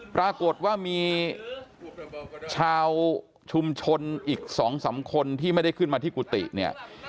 ปรากฏว่ามีชาวชุมชนอีก๒๓คนที่ไม่ได้ขึ้นมาที่กุฏิเนี่ย